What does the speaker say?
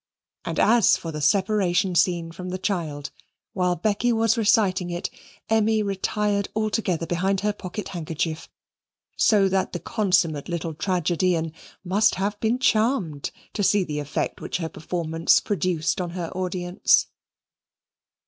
And as for the separation scene from the child, while Becky was reciting it, Emmy retired altogether behind her pocket handkerchief, so that the consummate little tragedian must have been charmed to see the effect which her performance produced on her audience.